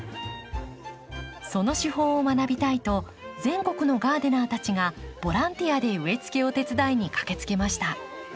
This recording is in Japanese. その手法を学びたいと全国のガーデナーたちがボランティアで植えつけを手伝いに駆けつけました。